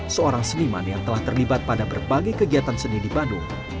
seorang seniman yang telah terlibat pada berbagai kegiatan seni di bandung